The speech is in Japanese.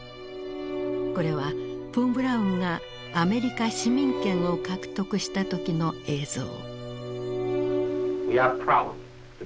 これはフォン・ブラウンがアメリカ市民権を獲得した時の映像。